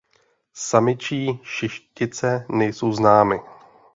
Samičí šištice nejsou známy.